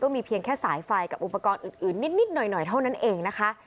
มีเพียงแค่สายไฟกับอุปกรณ์อื่นนิดหน่อยเท่านั้นเองนะคะ